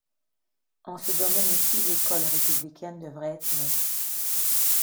En ce domaine aussi, l'école républicaine devrait être neutre.